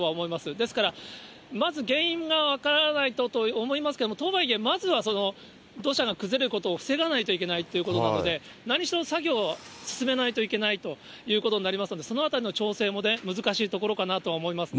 ですから、まず原因が分からないとと思いますけれども、とはいえ、まずはその土砂が崩れることを防がないといけないということなので、何しろ、作業を進めないといけないということになりますので、そのあたりの調整も難しいところかなとは思いますね。